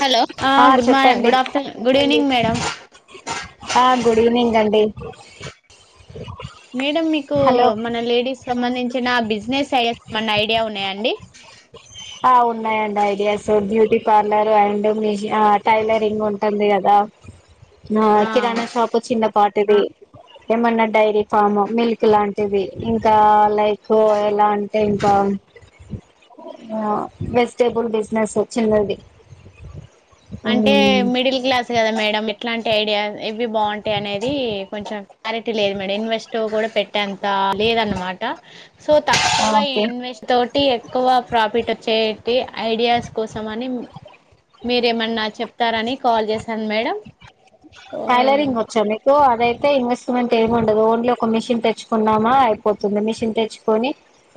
Hello ఆ good morning చెప్పండి good afternoon good evening madam ఆ గుడ్వినింగ్ అండి మేడం మీకు హలో మన లేడీస్ సంబంధించిన బిజినెస్ ఎమన ఐడియా ఉన్నాయండి ఆ ఉన్నాయండి ఐడియాస్ బ్యూటీ పార్లర్ అండ్ మూజి ఆ టైలరింగ్ ఉంటుంది కదా ఆ కిరాణా షాప్ చిన్న పాటది ఏమన్నా డైరీ ఫామ్ మిల్క్ లాంటిది ఇంకా లైక్ ఎలా అంటే ఇంక ఆ వెజిటేబుల్ బిజినెస్ చిన్నది అంటే మిడిల్ క్లాస్ కదా మేడం ఇట్లాంటి ఐడియా ఇవి బాన్ [unintelligible] అనేది కొంచెం క్లారిటీ లేదు మేడం ఇన్వెస్ట్ కూడ పెట్టేంత లేదన్నమాట సో తక్కువ ఓకే ఇన్వెస్ట్ తోటి ఎక్కువ ప్రాఫిట్ వచ్చేటి ఐడియాస్ కోసం అని మీరేమన్నా చెప్తారని కాల్ చేసాను మేడం టైలరింగ్ వచ్చా మీకు అదైతే ఇన్వెస్ట్మెంట్ ఏమి ఉండదు ఓన్లీ ఒక ఒక మిషన్ తెచ్చుకున్నామా అయిపోతుంది మిషన్ తెచ్చుకని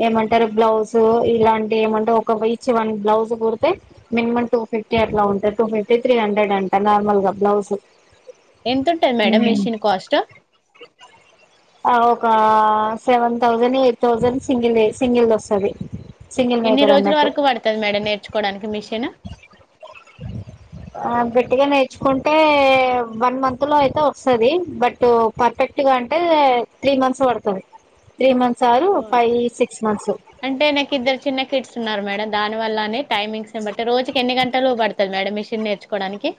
ఏమం ఇ బ్లౌజ్ ఇలాంటి ఏమంటే [unintelligible] వన్ బ్లౌజ్ కుడితే మినిమం టూ ఫిఫ్టీ అట్లా టూ ఫిఫ్టీ త్రీ హండ్రెడ్ అంట నార్మల్గా బ్లౌజు ఎంతుంటాయ్ మేడం మిషిన్ కాస్ట్ ఆ ఒక seven thousand, eight thousand single single వస్తది. సింగిల్ ఎన్ని మేకర్ రోజుల అన్నట్టు వరకు పడతది మేడం. నేర్చుకోవడానికి మిషను ఆ గట్టిగ నేర్చుకుంటే వన్ మంత్ లో అయితే వస్తది బట్ పర్ఫెక్ట్ గా అంటే త్రీ మంత్స్ పడ్తది త్రీ మంత్స్ సారు ఫైవ్ సి అంటే నాకు ఇద్దరు చిన్న కిట్స్ ఉన్నారు. మేడం దాన్ వల్లనే టైమింగ్స్ [unintelligible] బట్టి రోజుకి ఎన్ని గంటలు పడ్తది. మీషిన్ నేర్చుకో నేర్చుకోవడానికి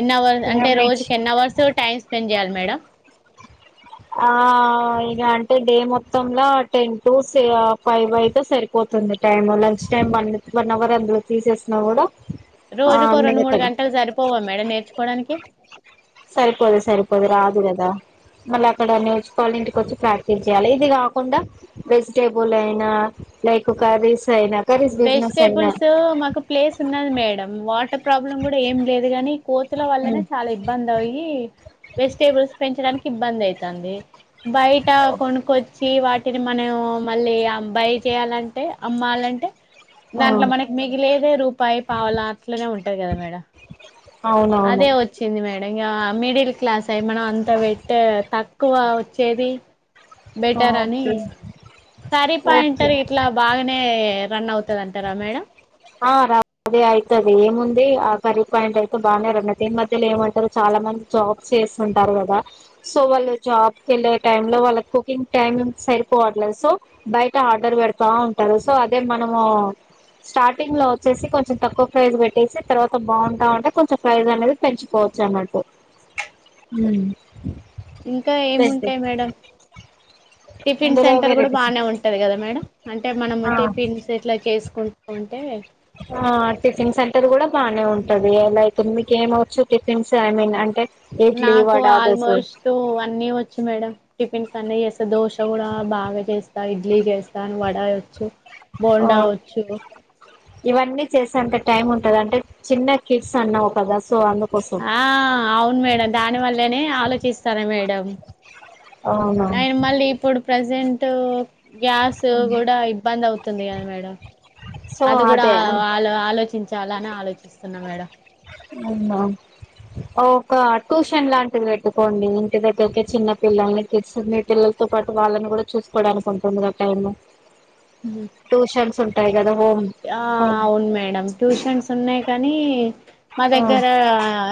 ఎన్ అవర్ అంటే రోజుకి ఎన్ అవర్స్ టైం స్పెండ్ చేయాలి. మేడం ఆ ఇగా అంటే డే మొత్తంల టెన్ టు ఫైవ్ అయితే సరిపోతుంది. Time next time one hour అందులో తీసేసినా కూడ రోజుకో రెండు మూడు గంటలు సరిపోవా మేడం నేర్చుకోవడానికి సరిపోదు సరిపోదు రాదు కదా మళ్ళీ అక్కడ నేర్చుకోవాలి. ఇంటికి వచ్చి ప్రాక్టీస్ చేయ్యాలి. ఇది కాకుండా వెజిటేబుల్ అయినా లైక్ కర్రీస్ అయినా కర్రీస్ బిజినెస్ అయినా వెజిటేబుల్స్ మాకు ప్లేస్ ఉన్నది మేడం వ ఇ ప్రాబ్లం కూడ ఏం లేదు కాగాని కోతుల వల్లనే హ్మ్ చాల ఇబ్బంది. అయి వెజిటేబుల్స్ పె ఇబ్బంది అయితాంది బయట కొనుకోచ్చి వాట్ అని మనం మళ్ళీ అబ్బాయి చెయాలంటే అమ్మాలంటే ఆ దాంట్లో మనకి మిగిలిదే రూపాయి పావల అట్లనే ఉంటది. కదా మేడమ్ అవునవును అదే వచ్చింది. మేడం ఇంగ మిడిల్ క్లాస్ అయి మనం అంత పెట్ తక్కువ వచ్చేది. ఆ బెటర్ అని ఓకే కర్రీ పాయింట్ ఓకే ఇట్లా బాగానే రన్ అవుతది అంటారా మేడం ఆ రన్ అదే అయితది ఏముంది. ఆ కర్రీ పాయింట్ అయితే బానే రన్ ఈ మధ్యలో ఏమంటారు. చాలా మంది జాబ్ చేస్తుంటారు. కదా సో వాళ్ళు జాబ్కే వెళ్ళే టైం లో వాళ్ళ కుకింగ్ టైమ్ సెట్ సరిపోవట్లే సో బయట ఆర్డర్ పెడ్తావుంటారు. సో అదే మనము స్టార్ట్ స్టార్టింగ్ లో వచ్చేసి కొంచెం తక్కువ ప్రైజ్ పెట్టేసి తర్వాత బాగుంటా ఉంటే కొంచెం ప్రైజ్ అనేది పెంచుకోవచ్చు. అనట్టు హ్మ్ ఇంకా ఏముంటాయి. మేడం టిఫిన్ ఇందులో సెంటర్ కూడా వెరైటీస్ బానే ఉంటుంది. కదా మేడం అంటే మనము ఆ టిఫిన్స్ ఇట్లా చేసుకుంటూ ఉంటే ఆ టిఫిన్స్ సెంటర్ కూడా బానే ఉంటది. లైక్ మీకు ఏమ్ వచ్చు టిఫిన్స్ ఐ మీన్ అంటే ఇడ్లీ నాకు వడ దోశ ఆల్మోస్ట్ అన్నీ వచ్చు మేడం టిఫిన్స్ అన్ని చేస్తా దోశ కూడా బాగా చేస్తా. ఇడ్లీ చేస్తా. స్ను వడయి వచ్చు. ఆ బోండా వచ్చు. ఇవన్నీ చేసేంత టైమ్ ఉంటంది. అంటే చిన్న కిడ్స్ అన్నావ్ కదా సో అందుకోసం ఆ అవును మేడం దాని వల్లనే ఆలోచిస్తాను. మేడం అవునా ఆయన మళ్ళీ ఇప్పుడు ప్రజెంట్ గ్యాస్ కూడా ఇబ్బంది. అవుత తుంది కదా మేడం సో అది కూడా అదే అలో ఆలోచించాలని ఆలోచిస్తున్నా మేడం అవునా ఒక ట్యూషన్ లాంటిది పెట్టుకోండి. ఇంటి దగ్గరకే చిన్న పిల్లల్ని తీన్న పిల్లలతో పాటు వాళ్ళను కూడా చూసుకుడానికి ఉంటుంది. కదా టైమ్ ట్యూషన్స్ ఉంటాయి కదా హోమ్ ఆ హోమ్ అవును మేడం ట్యూషన్స్ ఉన్నాయి. కానీ మా ఆ దగ్గర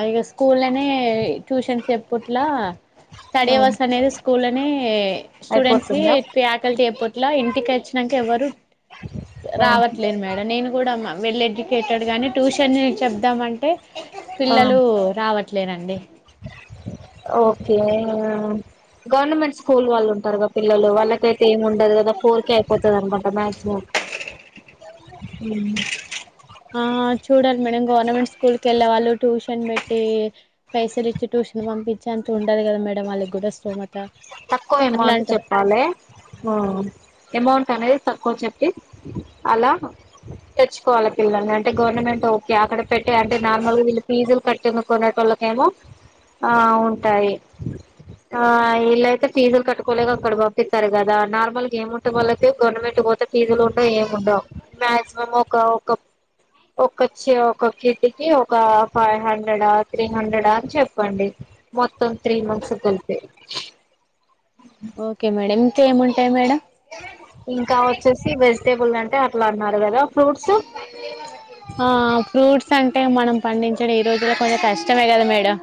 ఇగా స్కూల్నే ట్యూషన్స్ చప్పుట్లా స్టడీ ఆ అవర్స్ అనేది స్కూల్నే స్టూడెంట్స్ కి అయిపోతుందా ఫ్యాకల్టీ ఎప్పట్లా ఇంటికి వచ్చిన్నాక కేవరు ఆ రావ మేడం నేను కూడా వెల్ ఎడ్యుకేటెడ్ గాని ట్యూషన్ చెప్దామ్ అంటే ఆ పిల్లలు రావట్లేరాండి. ఓకే మ్మ్ గవర్నమెంట్ స్కూల్ వాళ్ళు ఉంటారు గా పిల్లలు వాళ్ళకైతే ఏమి ఉండదు కదా ఫోర్ కే అయిపోతది అనుకుంట మాక్సిమం ఉమ్ ఆ చూడాలి మేడం గవర్నమెంట్ స్కూల్ కి వెళ్ళే వాళ్ళు ట్యూషన్ పెట్టి పైసలు ఇచ్చి టూ షన్ పంపించే అంత ఉండాలి కదా మేడమ్ వాళ్ళకి కూడా స్తోమత తక్కువ అమౌంట్ అట్లాంట చెప్పలే హ్మ్ అమౌంట్ అనేది తక్కువ చెప్పి అలా తెచ్చుకోవాలి పిల్లల్ని అంటే గవర్నమెంట్ అయితే ఓకే అక్కడ పెట్టే అంటే నార్మల్గా వీళ్ళ ఫీజు కట్టేను కోనేటోళ్ళుకు ఏమో ఆ ఉంటాయి ఆ ఇలా అయితే ఫీజులు కట్టుకోలేక అక్కడ పంపిస్తారు కదా నార్మల్గా ఏం ఉంటే వాళ్ళకి గవర్నమెంట్ పోతే ఫీజులు ఉండవ్ ఏముండవ్ డవ్ మాక్సిమం ఒక ఒక ఒకొచ్చి ఒక్కొక్క ఇంటికి ఒక ఫైవ్ హండ్రెడా త్రీ హండ్రెడా అని చెప్పండి మొత్తం త్రీ మంత్స్ కి గలిపి ఓకే మేడం ఇంకా ఏముంటాయి మేడం ఇంకా వచ్చేసి వెజిటేబుల్ అంటే అట్లా అన్నారు కదా ఫ్రూట్స్ ఆ ఫ్రూట్స్ సంటే మనం పండించడం ఈ రోజుల్లో కొంచెం కష్టమే కదా మేడం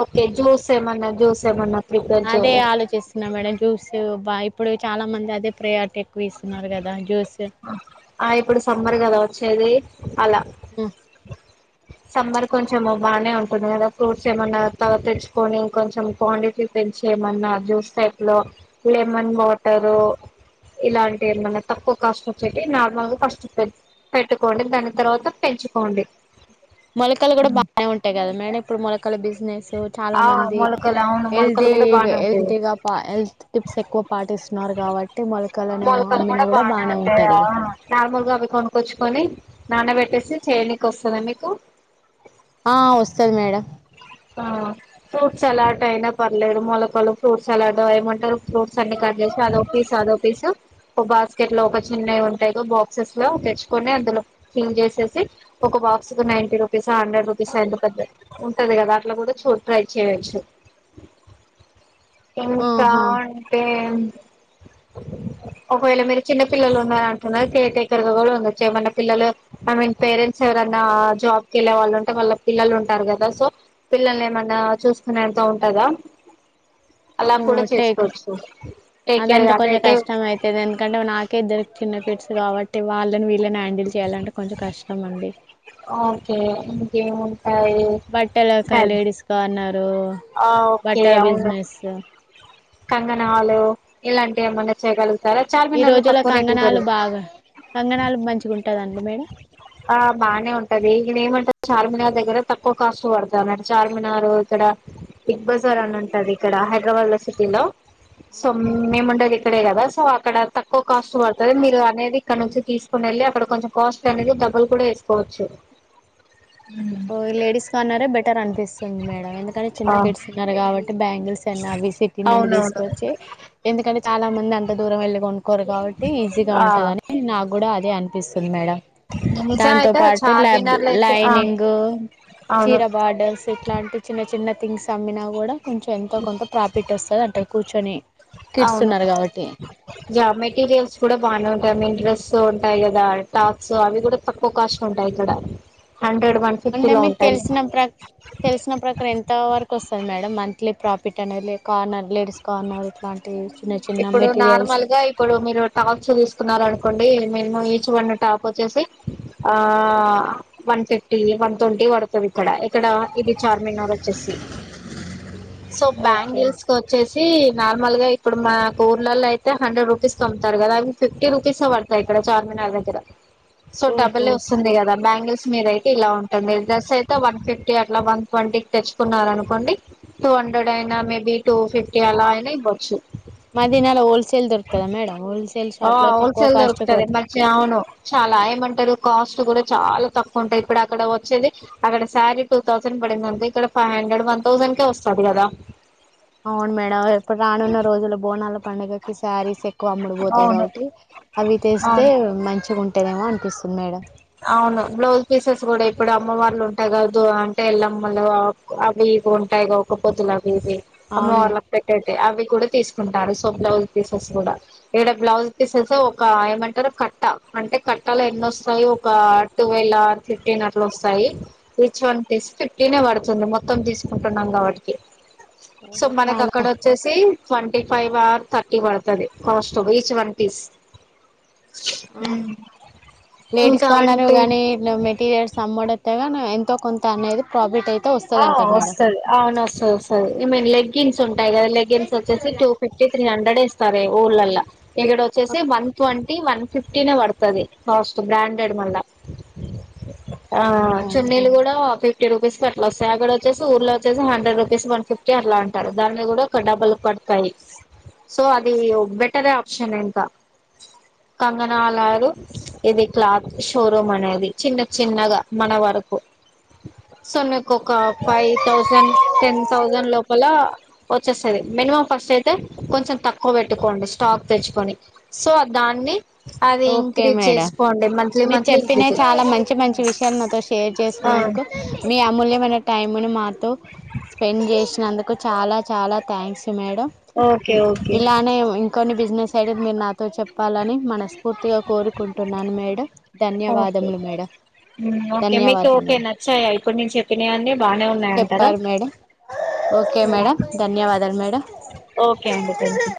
ఓకే జ్యూస్ ఏమన్నా జ్యూస్ ఏమన్నా ప్రిపేర్ అదే చేయాలి ఆలోచిస్తున్నా మేడం జ్యూస్ బా ఇప్పుడు చాలా మంది అదే ప్రయారిటీ ఎక్కువ ఇస్తున్నారు కదా జ్యూస్ ఆ ఇప్పుడు సమ్మర్ కదా వచ్చేది అలా ఉమ్. సమ్మర్ కొంచము బానే ఉంటుంది కదా ఫ్రూట్స్ ఏమన్నా త తెచ్చుకొని కొంచెం క్వాంటిటీ పెంచి ఏమన్నా జ్యూస్ టైపులో లెమన్ వాటరు ఇలాంటివి ఏమన్నా తక్కువ కాస్ట్ వచ్చేటి నార్మల్ గా ఫస్ట్ పెట్టుకోండి దాని తర్వాత పెంచుకోండి మొలకలు కూడా బానే ఉంటాయి కదా మేడం ఇప్పుడు మొలకల బిజినెస్ సో చాలా ఆ మంది మొలకలు అవును మొలకలు హెల్దీ కూడా బానే ఉంటాయి హెల్దీగా హెల్త్ టిప్స్ ఎక్కువ పాటిస్తున్నారు న్నారు కాబట్టి మొలకలని అమ్మినా కూడా బానే ఉంటది ఇగ లుగా అవి కొనుకొచ్చుకొని నాన పెట్టేసి చేయనీకి వస్తద మీకు ఆ వస్తది మేడం ఆ ఫ్రూట్స్ సలాట్ అయినా పర్లేదు మొలకలు ఫ్రూట్స్ సలాడ్ ఏమంటారు ఫ్రూట్స్ అన్ని కట్ చేసి అదో పీస్ అదో పిస్ ఓ బాస్కెట్ లో ఒక చిన్నవి ఉంటాయి బాక్సెస్ లో తెచ్చుకని అందులో ఫిల్ చేసే ఒక బాక్స్ కి నైన్ టి రూపీస్ అ హండ్రెడ్ రూపీస్ ఎంత పెద్ద ఉంటది కదా అట్లా కూడా చో ట్రై చేయచ్చు ఇంకా ఆహా అంటే ఒకవేళ మీరు చిన్న పిల్లలు ఉన్నరంటున్నారు కేర్ టేకర్ కూడా ఉండొచ్చు ఏమన్నా పిల్లలు ఐ మీన్ పేరెంట్స్ ఎవరన్ న్నా జాబ్ కి వెళ్లే వాళ్లు ఉంటే వాళ్ళ పిల్లలు ఉంటారు కదా సో పిల్లలు ఏమన్నా చూసుకునేంత ఉంటదా అలా ఆ, కూడా టేక్ చేసుకోవచ్చు టేక్ కేర్ అదంటే కొంచెం అదైతే కష్టం అయితది ఎందుకంటే నాకే ఇద్దరు చిన్న పిట్స్ కాబట్టి వాళ్ళని వీళ్ళని హ్యాండిల్ చేయాలంటే కొంచెం కష్టం అండి ఏం ఉంటాయ్ బట్టల సరి లేడీస్ కార్నరు ఆ ఓకే బట్టల అవును బిజినెస్ కంగనాలు ఇలాంటివి ఏమన్నా చేయగలుగుతారా ఈ చార్మినార్లు రోజుల్లో తక్కువ రేట్లు కంగనాలు దోరుగు బాగా కంగనాలు మంచిగా ఉంటదండి మేడం ఆ బానే ఉంటది ఈ నేనేం అంట చార్మినర్ దగ్ దగ్గిర తక్కువ కాస్ట్ పడుతది అన్నట్టు చార్మినార్ ఇక్కడ బిగ్ బజార్ అని ఉంటది ఇక్కడ హైద్రాబాద్ సిటీలో సో ఆహా మేము ఉండేది ఇక్కడే కదా సో అక్కడ తక్కువ కాస్ట్ పడుతది మీరు అనేది ఇక్కడ నుంచీ తీసుకుని వెళ్ళి అక్కడ కొంచెం కాస్ట్ అనేది డబల్ కూడా వేసుకోవచ్చు ఓ లేడీస్ కార్నరే బెటర్ అనిపిస్తుంది మేడం ఎందుకంటే చిన్న ఆ కిడ్స్ ఉన్నారు కాబట్టి బ్యాంగిల్స్ అన్నా అవి ఈ నుండి అవునవును తీసుకవచ్చి ఎందుకంటే చాలా మంది అంత దూరం వెళ్ళి కోరు కాబట్టి ఈజీగా ఆ ఉంటది అని నాకు కూడా అదే అన్ అనిపిస్తుంది మేడం నిజం దాంతో అయితే పాటు లబ్ చార్మినార్ లో అయితే ఆ లైనింగ్ అవును చీర బార్డర్స్ ఇట్లాంటి చిన్న చిన్న థింగ్స్ అమ్మినా కూడా కొంచెం ఎంతో కొంత ప్రాఫిట్ వస్తది అంటారు కూర్చొని కిడ్స్ అవును ఉన్నారు కాబట్టి జా మెటీరియల్స్ కూడా బాగానే ఉంటాయి మీన్ డ్రెస్ టాయి కదా టాక్స్ అవి కూడా తక్కువ కాస్ట్ ఉంటాయి ఇక్కడ హండ్రెడ్ వన్ ఫిఫ్టీ అంటే లో మీకు ఉంటాయి తెలిసిన ప్ర తెలిసిన ప్రకారం ఎంత వరకు వస్తది మేడం మంత్లీ ప్రాఫిట్ అనేది కార్నర్ లేడీస్ కార్నర్ ఇట్లాం ఇప్పుడు నార్మల్ గా ఇప్పుడు మీరు టాప్స్ తీసుకున్నారు అనుకోండి మేము ఈచ్ వన్ టాప్ వచ్చేసి ఆ వన్ ఫిఫ్టీ వన్ ట్వంటీ పడుతది ఇక్కడ ఇక్కడ ఇది చార్మినార్ వచ్చేసి సో ఓకే బ్యాంగిల్స్ కి వచ్చేసి చి నార్మల్ గా ఇప్పుడు మాకు ఊర్లలో అయితే హండ్రెడ్ రూపీస్ కమ్ముతారు కదా అవి ఫిఫ్టీ రూపీస్ పడతాయి ఇక్కడ చార్మినార్ దగ్గర సో ఓహో డబుల్ వస్తుంది కదా బ్యాంగిల్స్ మీద అయితే ఇలా ఉంటుంది డేస్ అయితే వన్ ఫిఫ్టీ అట్లా వన్ ట్వంటీకి తెచ్చుకున్నారు అనుకోండి టూ హండ్రెడ్ అయినా మేబీ టూ ఫిఫ్టీ అలా అయినా ఇవ్వచ్చు మాదినాలో హోల్సేల్ దొరుకుతదా మేడం హోల్సేల్ ఆ షాప్ లో తక్కువ హోల్సేల్ కాస్ట్ దొరుకుతది పడత మంచి అవును చాలా ఏమంటారు కాస్ట్ కూడా చాలా తక్కువ ఉంటాయి ఇప్పుడు అక్కడ వచ్చేది అక్కడ సారీ టూ థౌసండ్ పడింది అంతే ఇక్కడ ఫైవ్ హండ్రెడ్ వన్ థౌసండ్ ఇంకా వస్తాది కదా అవును మేడం ఇప్పుడు రానున్న రోజుల బోనాల పండుగకి సారీస్ ఎక్కువ అమ్ముడుపోతాయి అవును కాబట్టి అవి తెస్తే అవును మంచిగా అంటేనేమో అనిపిస్తుంది మేడం అవును బ్లౌజ్ పీసెస్ కూడా ఇప్పుడు అమ్మవార్లు ఉంటాయి కాదు అంటే ఎల్లమ్మలు అవి ఇవి ఉంటాయి ఒక్క పొద్ధులు అవి ఇవి అమ్మ అవును వార్లు మేడం కి పెట్టేవి అవి కూడా తీసుకుంటారు సో బ్లౌజ్ పీసెస్ కూడా ఇక్కడ బ్లౌజ్ పీసెస్ ఒక్క ఏమంటారు కట్ట అంటే కట్టాలో ఎన్ని వస్తాయో ఒక టువెల్ ఫిఫ్టీన్ అట్లా వస్తాయి ఈచ్ వన్ తీసి ఫిఫ్టీన్ ఏ పడుతుంది మొత్తం తీసి కొనుక్కుంటున్నాం కాబట్టి సో ఓహో మనకు చాలా అక్కడ వచ్చేసి ట్వంటీ ఫైవ్ ఆర్ థర్టీ పడుతది కాస్ట్ ఈచ్ వన్ పీస్ ఉమ్ ఆ కొన్నాను గానీ మెటీరియల్స్ అమ్ముడు అయితే ఎంతో కొంత అనేది ప్రాఫిట్ అయి ఆ వస్తది అవును వస్తది వస్తది ఈ మీన్ లెగ్గిన్స్ ఉ ఉంటాయి కదా లెగ్గిన్స్ వచ్చేసి టూ ఫిఫ్టీ త్రీ హండ్రెడ్ ఇస్తారు ఊర్లల్లా ఇక్కడ వచ్చేసి వన్ ట్వంటీ వన్ ఫిఫ్టీనే పడుతది కాస్ట్ బ్రాండెడ్ మళ్ళా ఆ చున్నీలు కూడా ఫిఫ్టీ రూపీస్ పడు అలా వస్తాయి అక్కడ వచ్చేసి ఊర్లో వచ్చేసి హండ్రెడ్ రూపీస్ వన్ ఫిఫ్టీ అట్లా అంటాడు దాని కూడా ఒక డబుల్ పడతాయి సో అది బెటరే ఆప్షన్ ఇంకా కంగనాలారు ఇది క్లాత్ షోరూమ్ అనేది చిన్న చిన్నగా మన వా రకు సో నీ కు ఒక ఫైవ్ థౌజండ్ టెన్ థౌజండ్ లోపల వచ్చేస్తది మినిమం ఫస్ట్ అయితే కొంచెం తక్కువ పెట్టుకోండి స్టాక్ తెచ్చుకొని సో దాన్ని అది ఓకే ఇంక్రీజ్ మేడం చేసుకోండి మంత్లీ మంత్లీ ఇంక్రీజ్ టైమ్ నాతో షేర్ ఆ చేసుకునేందుకు మీ అమూల్యమైన టైమ్ ను మాతో స్పెండ్ చేసినందుకు చాలా చాలా థ్యాంక్స్ మేడమ్ ఓకే ఓకే ఇలానే ఇంకొన్ని బిజినెస్ ఐడియాస్ మీరు నాతో చెప్ ప్పాలని మనస్ఫూర్తిగా కోరుకుంటున్నాను మేడం ధన్యవాదములు మేడం ఉమ్ ఓకే మీకు ధన్యవాదాలు ఓకే మేడం నచ్చాయా ఇప్పుడు నేను చెప్పినవి అన్ని బానే ఉన్నాయంటార చెప్పారు మేడం ఓకే మేడం ధన్యవాదాలు మేడం ఓకే అండి థ్యాంక్ యు